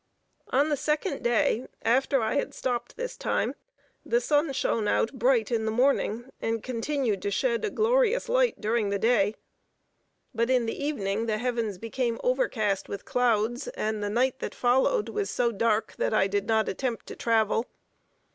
On the second day, after I had stopped this time, the sun shone out bright in the morning, and continued to shed a glorious light during the day; but in the evening, the heavens became overcast with clouds; and the night that followed was so dark, that I did not attempt to travel.